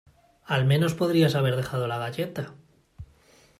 Al menos podrías haber dejado la galleta.